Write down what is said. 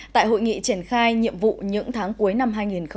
tại hội nghị triển khai nhiệm vụ những tháng cuối năm hai nghìn hai mươi